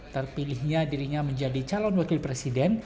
terpilihnya dirinya menjadi calon wakil presiden